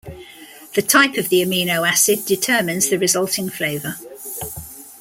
The type of the amino acid determines the resulting flavor.